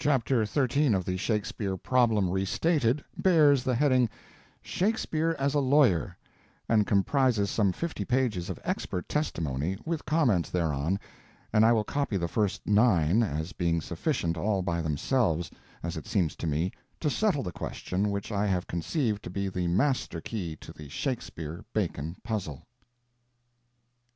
Chapter XIII of The Shakespeare Problem Restated bears the heading "Shakespeare as a Lawyer," and comprises some fifty pages of expert testimony, with comments thereon, and I will copy the first nine, as being sufficient all by themselves, as it seems to me, to settle the question which I have conceived to be the master key to the Shakespeare Bacon puzzle.